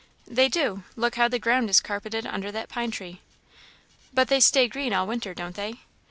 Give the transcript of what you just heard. "They do; look how the ground is carpeted under that pine tree." "But they stay green all winter, don't they?"